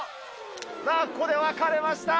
ここで分かれました。